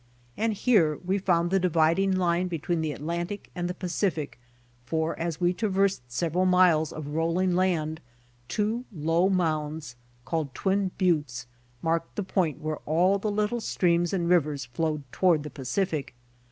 And here we found the dividing line between the Atlantic and the Pacific, for as we traversed several miles of rolling land two low mounds, called Twin Buttes, marked MONEY GIVING OUT 87 the point where all the little streams and rivers flowed toward the Pacilic.